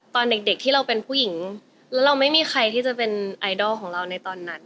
ตอนเด็กที่เราเป็นผู้หญิงแล้วเราไม่มีใครที่จะเป็นไอดอลของเราในตอนนั้น